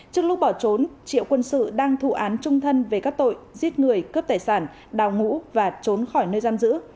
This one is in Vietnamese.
trước lúc bỏ trốn triệu quân sự đang thụ án trung thân về các tội giết người cướp tài sản đào ngũ và trốn khỏi nơi giam giữ